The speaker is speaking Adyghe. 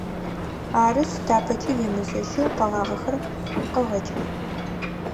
Арышъ, тапэкӏи уемызэщэу къэгъагъэхэр къэгъэкӏых.